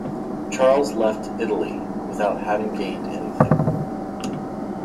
Charles left Italy, without having gained anything.